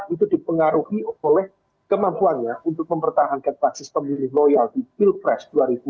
itu dipengaruhi oleh kemampuannya untuk mempertahankan basis pemilih loyal di pilpres dua ribu empat belas dua ribu sembilan belas